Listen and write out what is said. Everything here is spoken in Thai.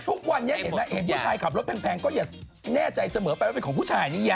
ทุกวันนี้เห็นไหมเห็นผู้ชายขับรถแพงก็อย่าแน่ใจเสมอไปว่าเป็นของผู้ชายนิยา